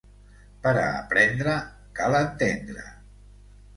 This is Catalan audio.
Per a aprendre cal entendre.